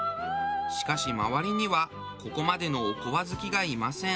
しかし周りにはここまでのおこわ好きがいません。